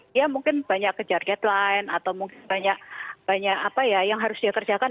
dia mungkin banyak kejar deadline atau mungkin banyak apa ya yang harus dikerjakan